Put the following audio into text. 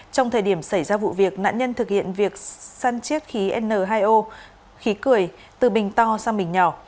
trong thời điểm xảy ra vụ việc nạn nhân thực hiện việc săn chiếc khí n hai o khí cười từ bình to sang bình nhỏ